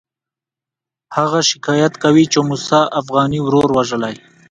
هغه شکایت کوي چې موسی اوغاني ورور وژلی.